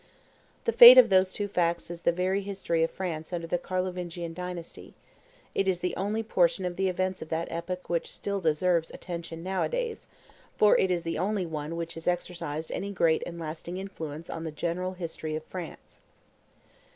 The fate of those two facts is the very history of France under the Carlovingian dynasty; it is the only portion of the events of that epoch which still deserves attention nowadays, for it is the only one which has exercised any great and lasting influence on the general history of France.